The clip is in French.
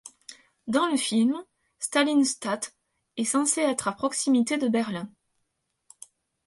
Dans le film, Stalinstadt est censée être à proximité de Berlin.